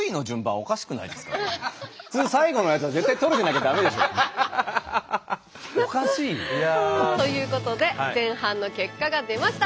おかしいよ。ということで前半の結果が出ました。